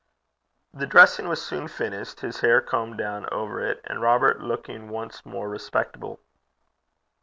The dressing was soon finished, his hair combed down over it, and Robert looking once more respectable.